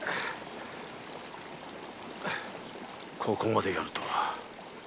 ここまでやるとは